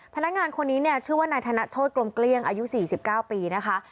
พนักงานคนนี้เนี่ยชื่อว่านายธนโชธกลมเกลี้ยงอายุ๔๙ปีนะคะ